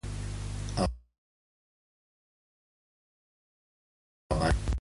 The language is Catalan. Al mateix temps, se'ls va prohibir assentar-se a la ciutat.